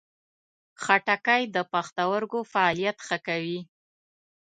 خټکی د پښتورګو فعالیت ښه کوي.